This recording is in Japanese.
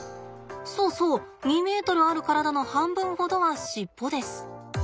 そうそう２ｍある体の半分ほどは尻尾です。